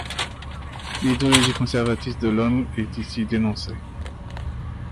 L'idéologie conservatrice de l'Homme est ici dénoncée.